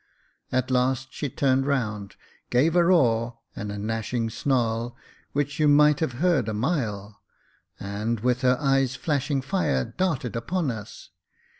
At last she turned round, gave a roar and a gnashing snarl, which you might have heard a mile, and, with her eyes flashing fire, darted upon us.